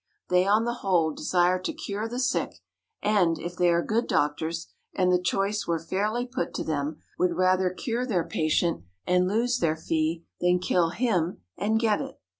They, on the whole, desire to cure the sick; and, if they are good doctors, and the choice were fairly put to them would rather cure their patient, and lose their fee, than kill him, and get it.